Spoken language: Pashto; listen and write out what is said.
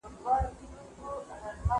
هغه وویل چې ژوند یې سخت دی.